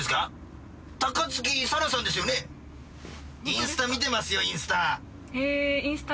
インスタ見てますよインスタ。へインスタ？